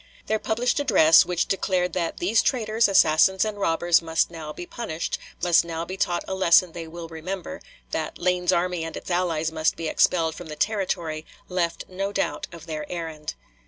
Their published address, which declared that "these traitors, assassins, and robbers must now be punished, must now be taught a lesson they will remember," that "Lane's army and its allies must be expelled from the Territory," left no doubt of their errand.